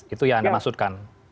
itu yang anda maksudkan